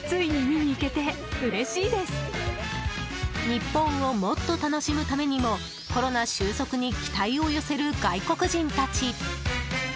日本をもっと楽しむためにもコロナ収束に期待を寄せる外国人たち。